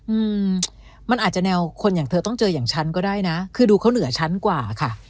อืมมันอาจจะแนวคนอย่างเธอต้องเจออย่างฉันก็ได้นะคือดูเขาเหนือชั้นกว่าค่ะ